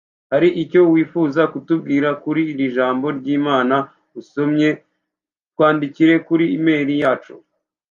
Hari icyo wifuza kutubwira kuri iri jambo y’Imana usomye twandikire kuri Email yacu